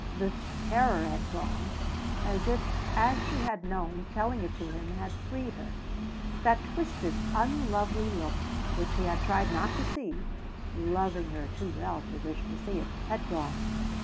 The terror had gone, as if, as she had known, telling it to him had freed her. That twisted, unlovely look which he had tried not to see, loving her too well to wish to see it, had gone.